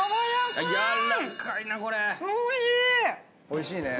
おいしいね。